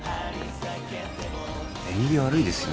縁起悪いですよ